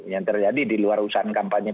yang terjadi di luar usaha kampanye